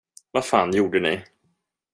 Vad fan gjorde ni?